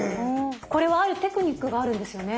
これはあるテクニックがあるんですよね？